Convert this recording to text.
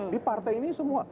di partai ini semua